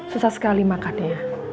susah sekali makan ya